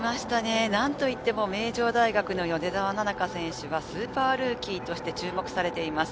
なんと言っても名城大学の米澤奈々香選手がスーパールーキーとして注目されています。